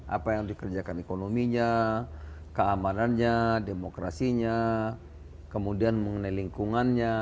apa yang dikerjakan ekonominya keamanannya demokrasinya kemudian mengenai lingkungannya